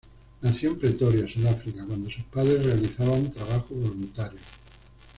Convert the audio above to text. Nació en Pretoria, Sudáfrica, cuando sus padres realizaban trabajo voluntario.